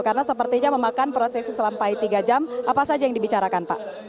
karena sepertinya memakan proses selampai tiga jam apa saja yang dibicarakan pak